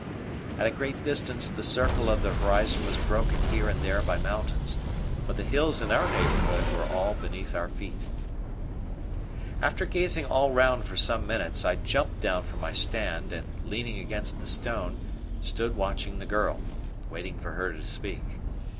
At a great distance the circle of the horizon was broken here and there by mountains, but the hills in our neighbourhood were all beneath our feet. After gazing all round for some minutes, I jumped down from my stand and, leaning against the stone, stood watching the girl, waiting for her to speak.